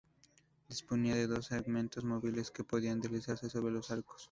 Disponía de dos "segmentos móviles" que podían deslizarse sobre los arcos.